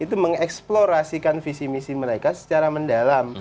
itu mengeksplorasikan visi misi mereka secara mendalam